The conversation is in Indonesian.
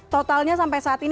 totalnya sampai saat ini